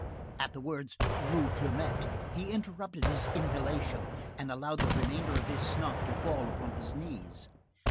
At the words "Rue Plumet" he interrupted his inhalation and allowed the remainder of his snuff to fall upon his knees.